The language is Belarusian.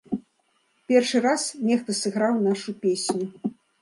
Першы раз нехта сыграў нашу песню!